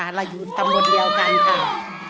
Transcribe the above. เราอยู่ทั้งหมดเดียวกันค่ะ